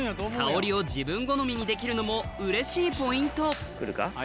香りを自分好みにできるのもうれしいポイント来るか？